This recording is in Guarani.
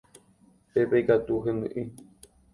Pépe ikatu hendy'i.